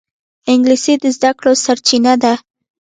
انګلیسي د زده کړو سرچینه ده